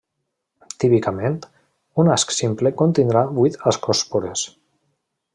Típicament, un asc simple contindrà vuit ascòspores.